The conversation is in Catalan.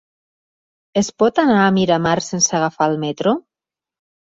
Es pot anar a Miramar sense agafar el metro?